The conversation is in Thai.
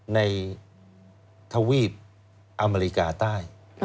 ทวีปอเมริกาใต้